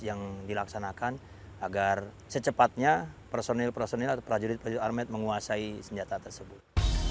yang dilaksanakan agar secepatnya personil personil atau prajurit prajurit armet menguasai senjata tersebut